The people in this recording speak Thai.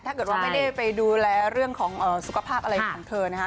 ถ้าเกิดว่าไม่ได้ไปดูแลเรื่องของสุขภาพอะไรของเธอนะคะ